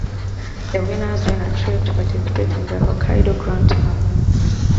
The winners win a trip to participate in the Hokkaido grand tournament.